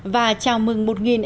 và chào mừng một người dân